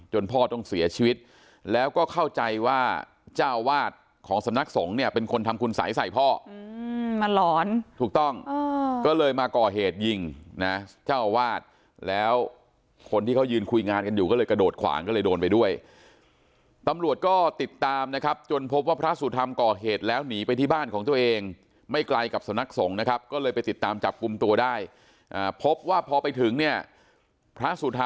จนพ่อต้องเสียชีวิตแล้วก็เข้าใจว่าเจ้าวาดของสำนักสงฆ์เนี่ยเป็นคนทำคุณสัยใส่พ่อ